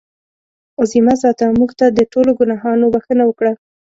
عظیمه ذاته مونږ ته د ټولو ګناهونو بښنه وکړه.